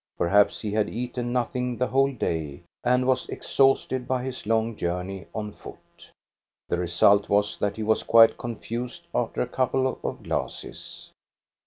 Per haps he had eaten nothing the whole day, and was exhausted by his long journey on foot. The result was that he was quite confused after a couple of glasses.